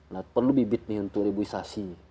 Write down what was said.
nah perlu bibit nih untuk rebuisasi